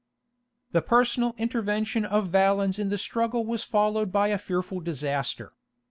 The personal intervention of Valens in the struggle was followed by a fearful disaster.